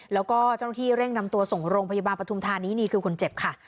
แล้วก็เจ้าหน้าที่เร่งนำตัวส่งโรงพยาบาลปฐุมธานีนี่คือคนเจ็บค่ะ